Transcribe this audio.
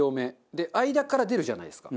で間から出るじゃないですか。